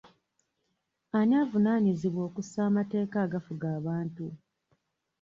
Ani avunaanyizibwa okussa amateeka agafuga abantu?